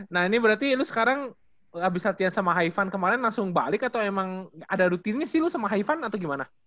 nah ini berarti lo sekarang abis latihan sama haivan kemaren langsung balik atau emang ada rutinnya sih lo sama haivan atau gimana